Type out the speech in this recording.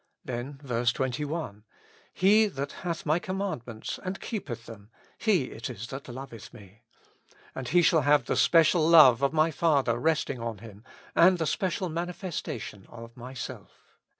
Then verse 21 :" He that hath my commandme^its and keepeth them, he it is that loveth me ;" and he shall have the special love of my Father resting on him, and the special manifestation of Myself.